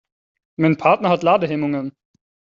Mein Partner hat Ladehemmungen.